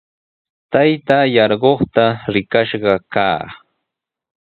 Taytaa yarquqta rikash kaa.